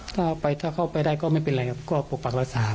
ถ้าเอาไปถ้าเข้าไปได้ก็ไม่เป็นไรครับก็ปกปักแล้วสาบ